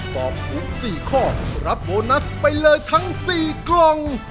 ตอบถูก๔ข้อรับโบนัสไปเลยทั้ง๔กล่อง